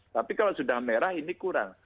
tapi kalau sudah merah ini kurang